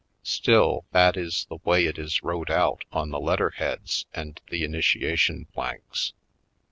Still, that is the way it is wrote out on the letter heads and the initiation blanks.